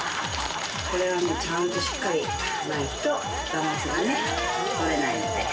これはもうちゃんとしっかり無いとバランスがね取れないので。